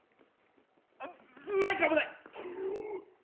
マイク危ない！